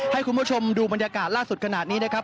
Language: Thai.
ให้คุณผู้ชมดูบรรยากาศล่าสุดขนาดนี้นะครับ